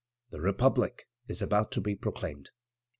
The Republic is about to be proclaimed.